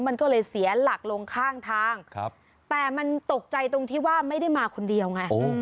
มันก็เลยเสียหลักลงข้างทางแต่มันตกใจตรงที่ว่าไม่ได้มาคนเดียวไง